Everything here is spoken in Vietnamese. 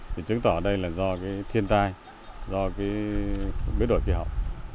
thì chứng tỏ đây là do cái thiên tai do cái biến đổi khí hậu